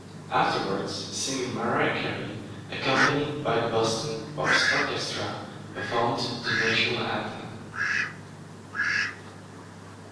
Afterwards, singer Mariah Carey, accompanied by the Boston Pops Orchestra, performed the national anthem.